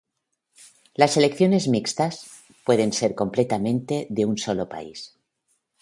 Las selecciones mixtas, pueden ser completamente de un solo país.